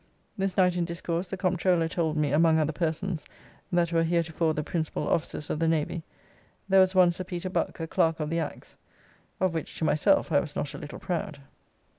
This night in discourse the Comptroller told me among other persons that were heretofore the principal officers of the Navy, there was one Sir Peter Buck, a Clerk of the Acts, of which to myself I was not a little proud.